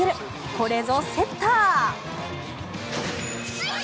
これぞセッター。